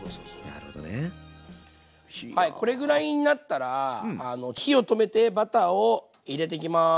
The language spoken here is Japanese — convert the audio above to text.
はいこれぐらいになったら火を止めてバターを入れていきます。